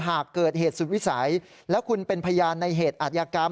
หากเกิดเหตุสุดวิสัยแล้วคุณเป็นพยานในเหตุอัธยกรรม